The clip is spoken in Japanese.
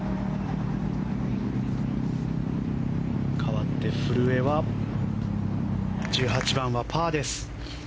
かわって古江は１８番はパーです。